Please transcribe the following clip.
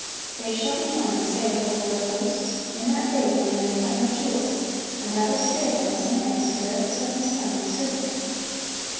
"They shall be Mine, saith the Lord of hosts, in that day when I make up My jewels; and I will spare them, as a man spareth his own son that serveth him."